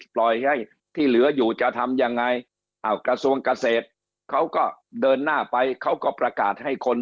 ปล่อยให้ที่เหลืออยู่จะทำยังไงอ้าวกระทรวงเกษตรเขาก็เดินหน้าไปเขาก็ประกาศให้คน